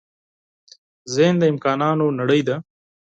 ذهن د امکانونو نړۍ ده.